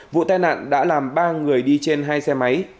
vụ tai nạn đã làm ba người đi trên hai xe máy